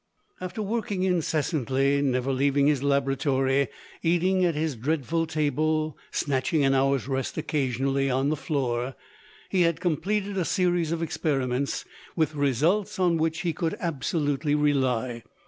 After working incessantly never leaving his laboratory; eating at his dreadful table; snatching an hour's rest occasionally on the floor he had completed a series of experiments, with results on which he could absolutely rely.